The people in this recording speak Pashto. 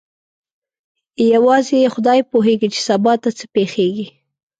یوازې خدای پوهېږي چې سبا ته څه پېښیږي.